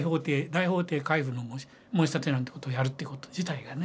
大法廷回付の申立なんてことをやるってこと自体がね。